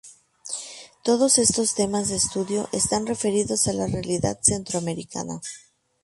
Todos estos temas de estudio, están referidos a la realidad centroamericana.